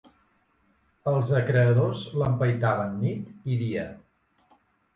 Els a creedors l'empaitaven nit i dia